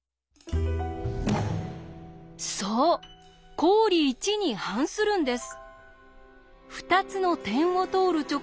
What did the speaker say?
そう公理１に反するんです！